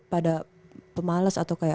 pada pemales atau